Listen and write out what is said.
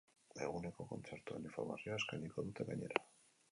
Eguneko kontzertuen informazioa eskainiko dute gainera.